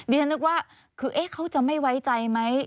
ฉันนึกว่าคือเขาจะไม่ไว้ใจไหม